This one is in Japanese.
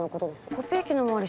「コピー機の周り